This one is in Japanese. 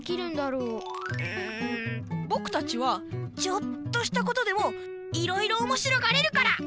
うんぼくたちはちょっとしたことでもいろいろおもしろがれるから！